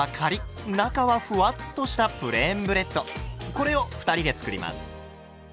これを２人で作ります。